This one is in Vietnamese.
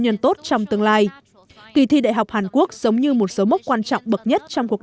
nhân tốt trong tương lai kỳ thi đại học hàn quốc giống như một số mốc quan trọng bậc nhất trong cuộc